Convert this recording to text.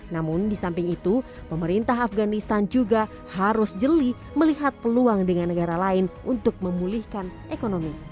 namun di samping itu pemerintah afganistan juga harus jeli melihat peluang dengan negara lain untuk memulihkan ekonomi